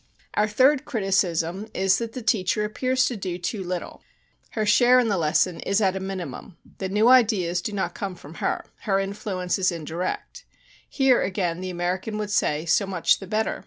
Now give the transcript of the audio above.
"Our third criticism is that the teacher appears to do too little; her share in the lesson is at a minimum; the new ideas do not come from her, her influence is indirect. Here, again, the American would say, so much the better.